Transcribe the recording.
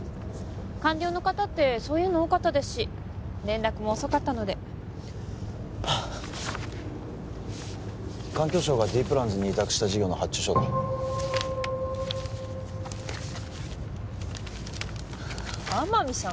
官僚の方ってそういうの多かったですし連絡も遅かったので環境省がＤプランズに委託した事業の発注書だ天海さん